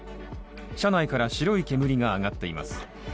車内から白い煙が上がっています。